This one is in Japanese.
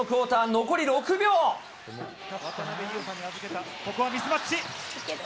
渡邊雄太に預けた、ここはミスマッチ。